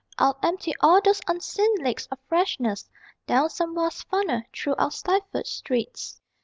I'd empty all those unseen lakes of freshness Down some vast funnel, through our stifled streets.